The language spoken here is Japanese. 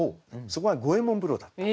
そこが五右衛門風呂だった。